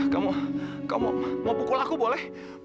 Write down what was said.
kamu mau pukul aku boleh